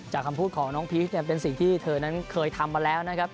คำพูดของน้องพีชเนี่ยเป็นสิ่งที่เธอนั้นเคยทำมาแล้วนะครับ